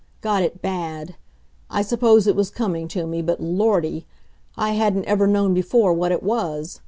Got it bad. I suppose it was coming to me, but Lordy! I hadn't ever known before what it was.